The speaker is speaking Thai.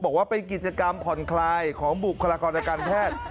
บอกว่าเป็นกิจกรรมผ่อนคลายของบุคลากรทางการแพทย์